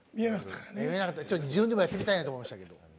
自分でもやってみたいなと思いました。